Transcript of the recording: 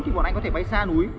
thì bọn anh có thể bay xa núi